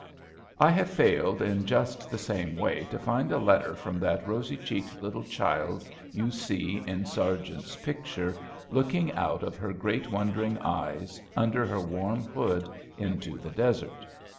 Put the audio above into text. I have failed, in just the same way, to find a letter from that rosy cheeked little child you see in Sargent's picture, looking out of her great wondering eyes, under her warm hood, into the desert.